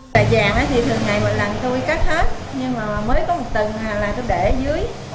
cái vàng thì thường ngày một lần tôi cắt hết nhưng mà mới có một tầng là tôi để dưới